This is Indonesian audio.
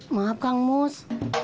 maaf kang mus